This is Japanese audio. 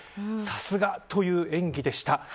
さすがという演技でした。